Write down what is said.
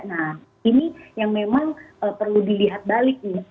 nah ini yang memang perlu dilihat balik nih